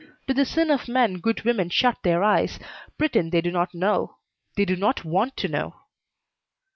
To the sin of men good women shut their eyes, pretend they do not know. They do not want to know."